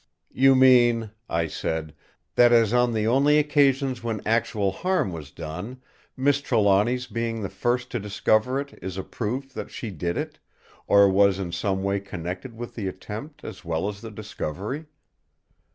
"You mean," I said, "that as on the only occasions when actual harm was done, Miss Trelawny's being the first to discover it is a proof that she did it; or was in some way connected with the attempt, as well as the discovery?"